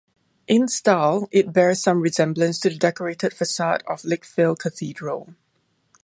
In style, it bears some resemblance to the decorated facade of Lichfield Cathedral.